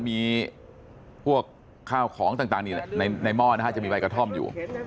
มีพวกข้าวของต่างในหม้อนะฮะจะมีใบกระท่อมอยู่